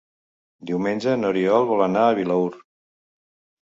Diumenge n'Oriol vol anar a Vilaür.